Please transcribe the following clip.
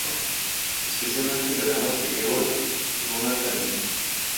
Especialmente en verano, se lleva con una tanga.